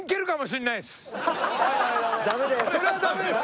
それはダメですか？